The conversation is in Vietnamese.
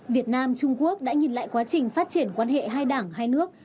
việt nam trung quốc đã nhìn lại quá trình phát triển quan hệ hai đảng hai nước